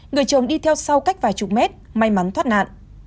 người chồng đi theo sau cách vài chục mét may mắn thoát nạn